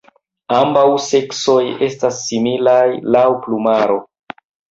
Ambaŭ seksoj estas similaj laŭ plumaro.